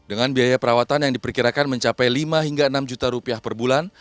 untuk biaya perawatan yang diperkirakan mencapai lima hingga enam juta rupiah perbulan